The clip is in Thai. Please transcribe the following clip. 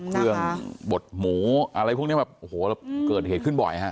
เครื่องบดหมูอะไรพวกนี้แบบโอ้โหเกิดเหตุขึ้นบ่อยฮะ